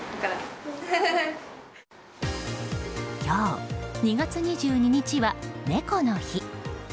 今日、２月２２日は猫の日。